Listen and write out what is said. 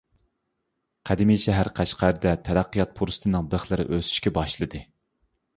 قەدىمىي شەھەر قەشقەردە تەرەققىيات پۇرسىتىنىڭ بىخلىرى ئۆسۈشكە باشلىدى.